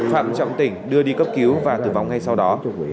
phạm trọng tỉnh đưa đi cấp cứu và tử vong ngay sau đó